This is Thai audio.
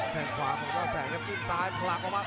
แฟนขวาของย่อแสนครับจิ้มซ้ายของหลักออกมา